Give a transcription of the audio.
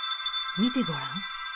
見てごらん。